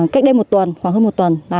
cách đây một tuần khoảng hơn một tuần